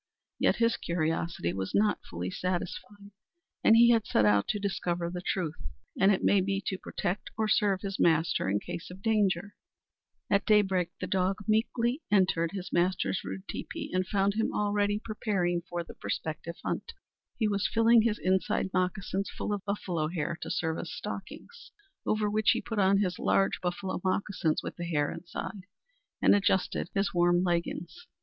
Yet his curiosity was not fully satisfied, and he had set out to discover the truth, and it may be to protect or serve his master in case of danger. At daybreak the great dog meekly entered his master's rude teepee, and found him already preparing for the prospective hunt. He was filling his inside moccasins full of buffalo hair to serve as stockings, over which he put on his large buffalo moccasins with the hair inside, and adjusted his warm leggins.